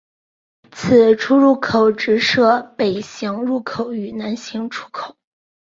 此出入口只设北行入口与南行出口。